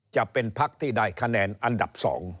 จะเป็นพักที่ได้คะแนนอันดับ๒